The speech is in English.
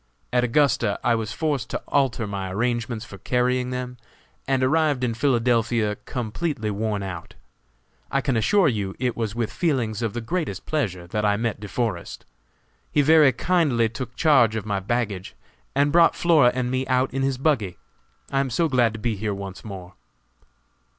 At Augusta I was forced to alter my arrangements for carrying them, and arrived in Philadelphia completely worn out. I can assure you it was with feelings of the greatest pleasure that I met De Forest. He very kindly took charge of my baggage, and brought Flora and me out in his buggy. I am so glad to be here once more."